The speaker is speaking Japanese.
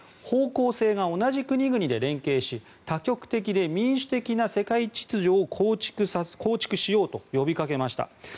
方向性が同じ国々で連携し多極的で民主的な世界秩序を構築しようと呼びかけました。